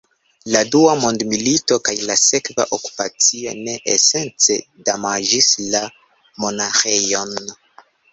La dua mondmilito kaj la sekva okupacio ne esence damaĝis la monaĥejon.